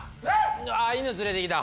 ああ犬連れてきた。